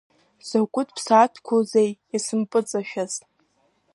Закәытә ԥсаатәқәоузеи исымпыҵашәаз!